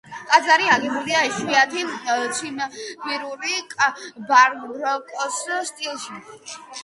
ტაძარი აგებულია იშვიათი ციმბირული ბაროკოს სტილში.